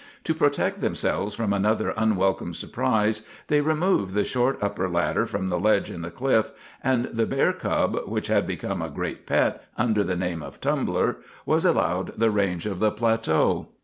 To protect themselves from another unwelcome surprise, they removed the short upper ladder from the ledge in the cliff, and the bear cub, which had become a great pet under the name of "Tumbler," was allowed the range of the plateau.